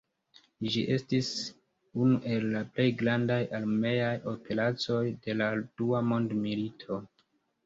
Ĝi estis unu el la plej grandaj armeaj operacoj de la dua mondmilito.